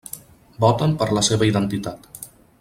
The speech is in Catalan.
Voten per la seva identitat.